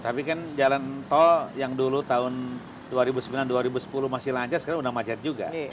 tapi kan jalan tol yang dulu tahun dua ribu sembilan dua ribu sepuluh masih lancar sekarang udah macet juga